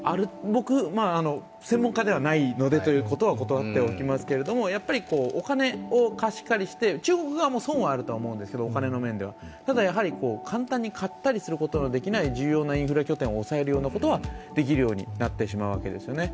僕は専門家ではないのでということは断っておきますけどお金を貸し借りして、中国側もお金の面では損はあると思うんですけどただ、簡単に買ったりすることのできない重要なインフラ拠点を押さえるようなことはできるようになってしまうわけですよね。